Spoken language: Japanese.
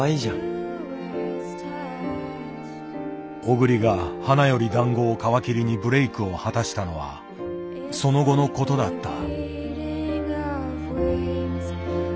小栗が「花より男子」を皮切りにブレイクを果たしたのはその後のことだった。